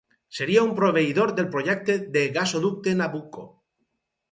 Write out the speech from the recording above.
Seria un proveïdor del projecte del Gasoducte Nabucco.